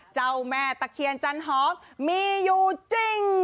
เจ้าแม่ตะเคียนจันหอมมีอยู่จริง